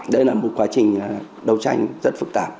đây là một quá trình đấu tranh rất phức tạp